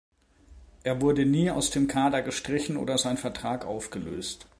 Er wurde nie aus dem Kader gestrichen oder sein Vertrag aufgelöst.